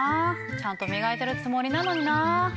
ちゃんと磨いてるつもりなのにな。